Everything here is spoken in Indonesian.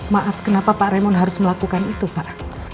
maaf kenapa pak remon harus melakukan itu pak